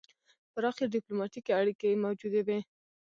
پراخې ډیپلوماتیکې اړیکې موجودې وې.